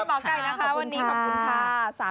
หมอไก่นะคะวันนี้ขอบคุณค่ะ